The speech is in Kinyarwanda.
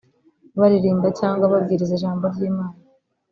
baririmba cyangwa babwiriza ijambo ry’Imana